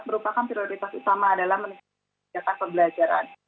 merupakan prioritas utama dalam mengembangkan kebijakan pembelajaran